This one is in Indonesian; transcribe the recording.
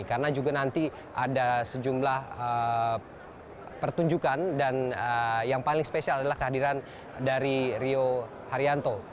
karena juga nanti ada sejumlah pertunjukan dan yang paling spesial adalah kehadiran dari rio haryanto